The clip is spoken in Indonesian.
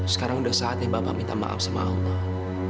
sekarang sudah saatnya bapak minta maaf sama allah